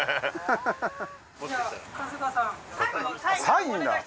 サインだ